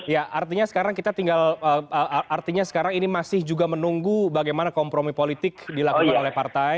ya artinya sekarang kita tinggal artinya sekarang ini masih juga menunggu bagaimana kompromi politik dilakukan oleh partai